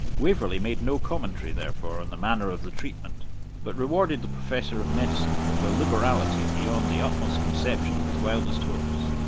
Waverley made no commentary, therefore, on the manner of the treatment, but rewarded the professor of medicine with a liberality beyond the utmost conception of his wildest hopes.